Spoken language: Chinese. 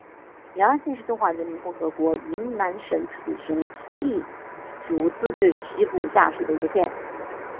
姚安县是中华人民共和国云南省楚雄彝族自治州西部下属的一个县。